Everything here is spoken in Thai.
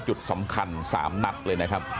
จุดสำคัญ๓นัดเลยนะครับ